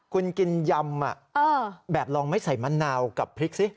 คุณกินยำแบบลองไม่ใส่มะนาวกับพริกสิ